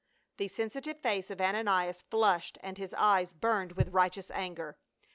The sensitive face of Ananias flushed and his eyes burned with righteous anger.